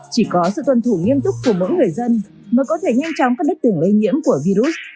chỉ có sự tuân thủ nghiêm túc của mỗi người dân mà có thể nhanh chóng các đất tưởng lây nhiễm của virus